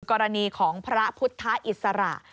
กรณีของพระพุทธอิสระ